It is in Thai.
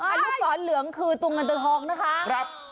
อนุสรเหลืองคือตัวเงินตัวทองนะคะ